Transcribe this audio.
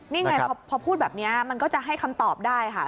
นี่ไงพอพูดแบบนี้มันก็จะให้คำตอบได้ค่ะ